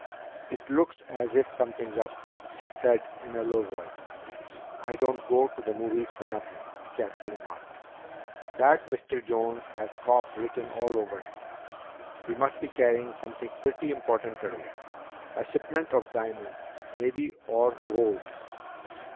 "It looks as if something's up," she said in a low voice. "I don't go to the movies for nothing," Cathy remarked. "That Mr. Jones has 'cop' written all over him. We must be carrying something pretty important today. A shipment of diamonds, maybe, or gold."